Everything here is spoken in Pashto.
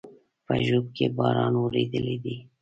په ژوب کې باران اورېدلى دی